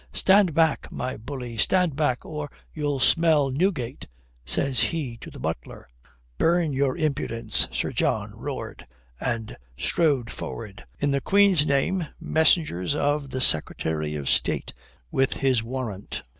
"Stand back, my bully, stand back, or you'll smell Newgate," says he to the butler. "Burn your impudence," Sir John roared, and strode forward. "In the Queen's name. Messengers of the Secretary of State, with his warrant."